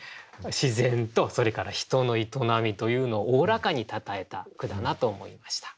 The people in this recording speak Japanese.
自然とそれから人の営みというのをおおらかにたたえた句だなと思いました。